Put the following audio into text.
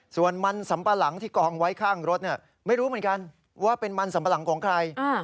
ส่วนมันสัมปะหลังที่กองไว้ข้างรถไม่รู้เหมือนกันว่าเป็นมันสัมปะหลังของใคร